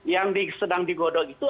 yang sedang digodok itu